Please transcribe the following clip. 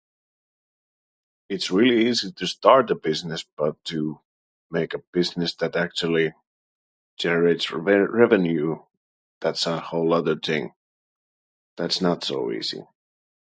It's really easy to start a business. But to make a business that actually generates re- revenue? That's a whole other things. That's not so easy.